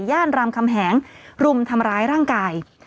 รามคำแหงรุมทำร้ายร่างกาย